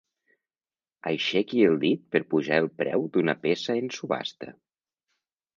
Aixequi el dit per pujar el preu d'una peça en subhasta.